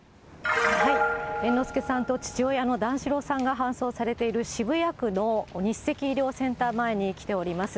猿之助さんと父親の段四郎さんが搬送されている渋谷区の日赤医療センター前に来ております。